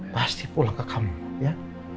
pasti pulang ke kami ya